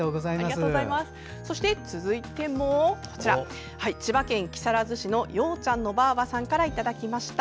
続いて、千葉県木更津市ようちゃんのばぁばさんからいただきました。